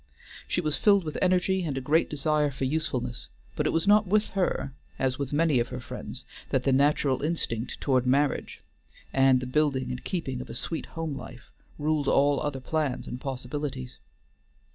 She was filled with energy and a great desire for usefulness, but it was not with her, as with many of her friends, that the natural instinct toward marriage, and the building and keeping of a sweet home life, ruled all other plans and possibilities.